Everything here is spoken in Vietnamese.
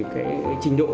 cái trình độ